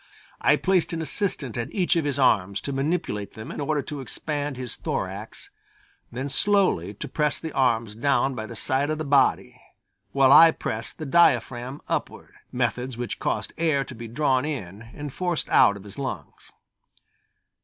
I placed an assistant at each of his arms to manipulate them in order to expand his thorax, then slowly to press the arms down by the side of the body, while I pressed the diaphragm upward: methods which caused air to be drawn in and forced out of his lungs.